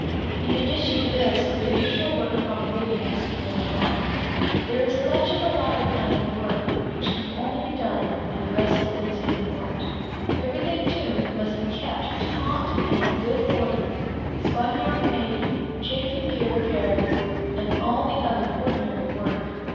In addition to this, the usual work upon the rigging must be done. There is a good deal of the latter kind of work which can only be done when the vessel is in port; and then everything must be kept taut and in good order; spun yarn made; chafing gear repaired; and all the other ordinary work.